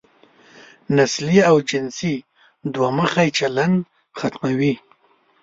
نسلي او جنسي دوه مخی چلن ختمول.